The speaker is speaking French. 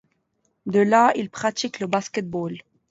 De là, il pratique le basket-ball.